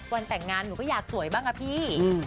วันแต่งงานหนูก็อยากสวยบ้างอะพี่